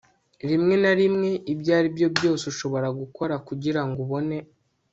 rimwe na rimwe, ibyo aribyo byose ushobora gukora kugirango ubone